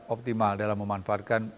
optimal dalam memanfaatkan